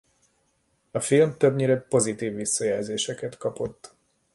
A film többnyire pozitív visszajelzéseket kapott.